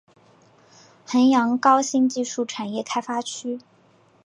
衡阳高新技术产业开发区